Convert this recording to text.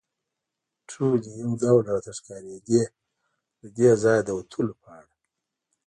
ټولې یو ډول راته ښکارېدې، له دې ځایه د وتلو په اړه.